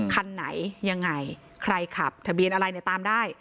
คันไหนยังไงใครขับทะเบียนอะไรเนี่ยตามได้